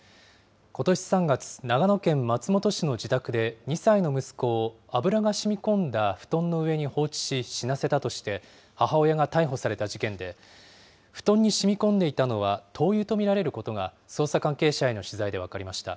ことし３月、長野県松本市の自宅で２歳の息子を油がしみこんだ布団の上に放置し死なせたとして、母親が逮捕された事件で、布団にしみこんでいたのは灯油と見られることが、捜査関係者への取材で分かりました。